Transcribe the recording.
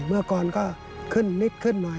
เมื่อก่อนก็ขึ้นนิดขึ้นหน่อย